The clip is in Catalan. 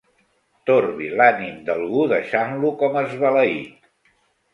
Torbi l'ànim d'algú deixant-lo com esbalaït.